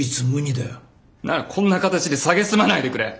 ならこんな形で蔑まないでくれ。